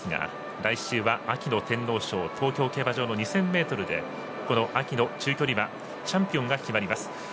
来週は秋の天皇賞東京競馬場の２０００ｍで秋の中距離チャンピオンが決まります。